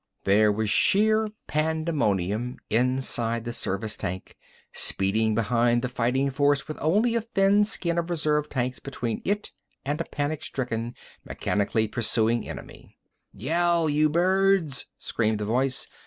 There was sheer pandemonium inside the service tank, speeding behind the fighting force with only a thin skin of reserve tanks between it and a panic stricken, mechanically pursuing enemy. "Yell, you birds!" screamed the voice.